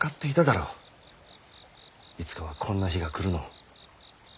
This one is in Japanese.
いつかはこんな日が来るのを。